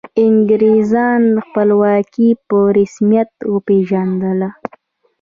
انګریزانو خپلواکي په رسمیت وپيژندله.